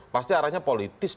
pasti arahnya politis